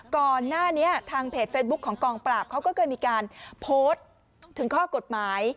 ก่อนหน้านี้ทางเพจเฟซบุ๊คของกองปราบเขาก็เคยมีการโพสต์ถึงข้อกฎหมาย